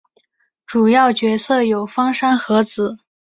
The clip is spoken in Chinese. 主要角色有芳山和子。